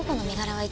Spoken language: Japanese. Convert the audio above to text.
はい。